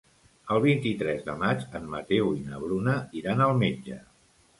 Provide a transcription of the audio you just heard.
El vint-i-tres de maig en Mateu i na Bruna iran al metge.